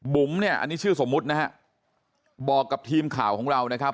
เนี่ยอันนี้ชื่อสมมุตินะฮะบอกกับทีมข่าวของเรานะครับ